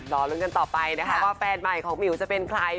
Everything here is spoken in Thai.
รอลุ้นกันต่อไปนะคะว่าแฟนใหม่ของหมิวจะเป็นใคร